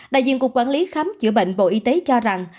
đại diện cục quản lý khám chữa bệnh bộ y tế cho rằng